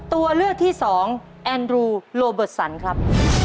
ตัวเลือกที่สองแอนรูโลเบิร์ตสันครับ